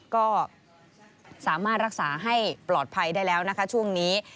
ก็สามารถรักษาให้ปลอดภัยได้แล้วนะคะช่วงนี้